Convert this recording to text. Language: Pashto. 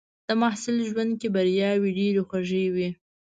د محصل ژوند کې بریاوې ډېرې خوږې وي.